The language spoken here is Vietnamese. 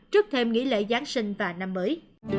trước thêm nghỉ lễ giáng sinh và năm mới